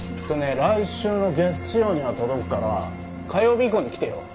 来週の月曜には届くから火曜日以降に来てよ。